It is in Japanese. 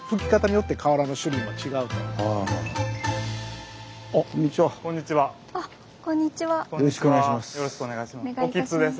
よろしくお願いします。